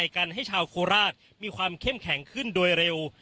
กันให้ชาวโคราชมีความเข้มแข็งขึ้นโดยเร็ว